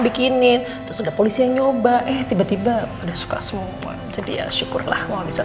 bikinin sudah polisi nyoba eh tiba tiba pada suka semua jadi ya syukurlah mau bisa